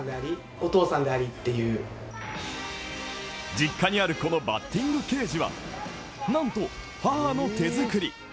実家にあるこのバッティングケージは、なんと母の手作り。